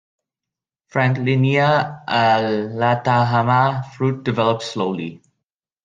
"Franklinia alatamaha" fruit develop slowly.